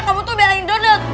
kamu tuh belain dodot